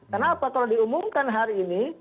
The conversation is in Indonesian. kenapa kalau diumumkan hari ini